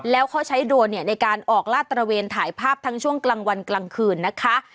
แล้วเขาใช้โดรนเนี่ยในการออกลาดตระเวนถ่ายภาพทั้งช่วงกลางวันกลางคืนนะคะ